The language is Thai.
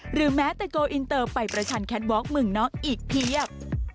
แม้แต่โกลอินเตอร์ไปประชันแคทวอล์เมืองนอกอีกเพียบ